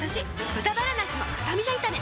「豚バラなすのスタミナ炒め」